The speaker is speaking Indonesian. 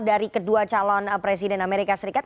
dari kedua calon presiden amerika serikat